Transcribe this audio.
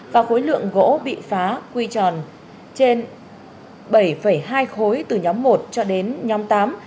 và khối lượng gỗ bị phá quy tròn trên bảy hai khối từ nhóm một cho đến nhóm tám